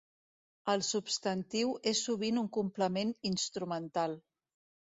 El substantiu és sovint un complement instrumental.